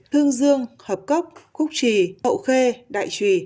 hương dương hợp cốc khúc trì hậu khê đại trùy